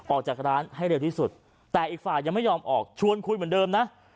ออกจากร้านให้เร็วที่สุดแต่อีกฝ่ายยังไม่ยอมออกชวนคุยเหมือนเดิมนะ